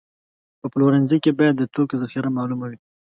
په پلورنځي کې باید د توکو ذخیره معلومه وي.